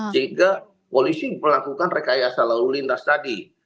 sehingga polisi melakukan rekayasa lalu lintas tadi